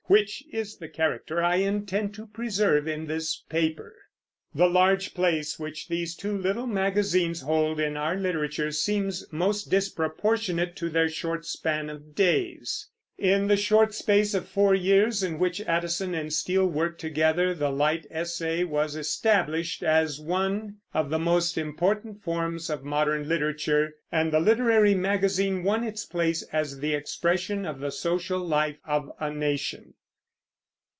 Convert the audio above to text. which is the character I intend to preserve in this paper. The large place which these two little magazines hold in our literature seems most disproportionate to their short span of days. In the short space of four years in which Addison and Steele worked together the light essay was established as one of the most important forms of modern literature, and the literary magazine won its place as the expression of the social life of a nation.